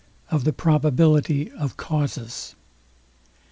OF THE PROBABILITY OF CAUSES.